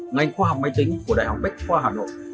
ngành khoa học máy tính của đại học bách khoa hà nội